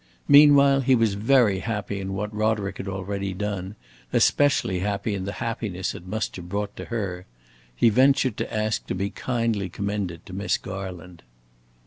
Meanwhile, he was very happy in what Roderick had already done especially happy in the happiness it must have brought to her. He ventured to ask to be kindly commended to Miss Garland.